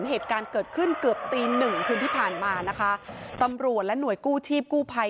เหตุการณ์เกิดขึ้นเกือบตีหนึ่งคืนที่ผ่านมานะคะตำรวจและหน่วยกู้ชีพกู้ภัย